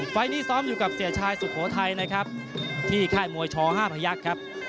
ไฟล์นี้ซ้อมอยู่กับเสียชายสุโขทัยนะครับที่ค่ายมวยช๕พยักษ์ครับ